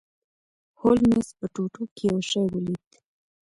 هولمز په ټوټو کې یو شی ولید.